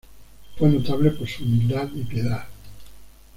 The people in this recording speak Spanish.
Fue notable por su humildad y piedad.